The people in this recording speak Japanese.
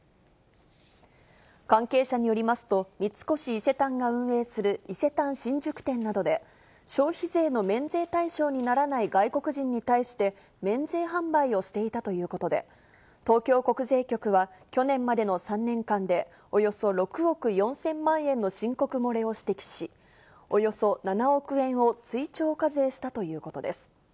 関係者によりますと、三越伊勢丹が運営する伊勢丹新宿店などで、消費税の免税対象にならない外国人に対して、免税販売をしていたということで、東京国税局は去年までの３年間でおよそ６億４０００万円の申告漏れを指摘し、およそ７億円を追徴課税したということです。